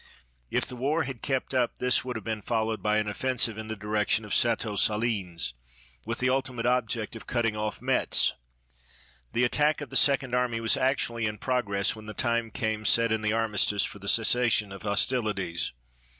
If the war had kept up, this would have been followed by an offensive in the direction of Château Salins, with the ultimate object of cutting off Metz. The attack of the Second Army was actually in progress when the time came set in the armistice for the cessation of hostilities.